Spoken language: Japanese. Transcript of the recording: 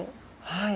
はい。